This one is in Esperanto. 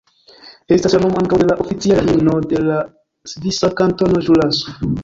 Estas la nomo ankaŭ de la oficiala himno de la svisa kantono Ĵuraso.